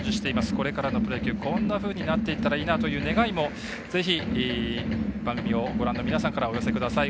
これからのプロ野球こんなふうになっていったらいいなという願いもぜひ、番組をご覧の皆さんからお寄せください。